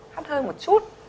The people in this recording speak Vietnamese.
hắt hơi một chút